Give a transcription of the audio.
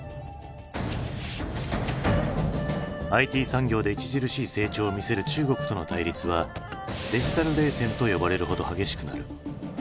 ＩＴ産業で著しい成長を見せる中国との対立はデジタル冷戦と呼ばれるほど激しくなる。